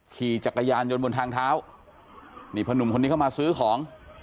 ขี่จักรยานยนต์บนทางเท้านี่พนุ่มคนนี้เข้ามาซื้อของ